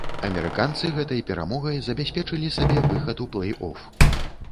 Амерыканцы гэтай перамогай забяспечылі сабе выхад у плэй-оф.